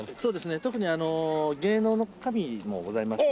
特にあの芸能の神もございまして。